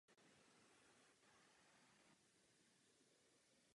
Duch schengenského systému je duchem důvěry a solidarity.